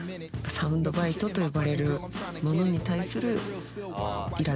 サウンドバイトと呼ばれるものに対する。